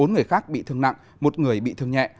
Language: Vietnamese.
bốn người khác bị thương nặng một người bị thương nhẹ